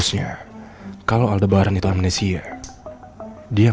dari sini harusnya kalau aldebaran itu amnesia dia